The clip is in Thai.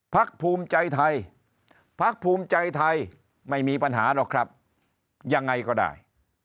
พักภูมิใจไทยพักภูมิใจไทยไม่มีปัญหาหรอกครับยังไงก็ได้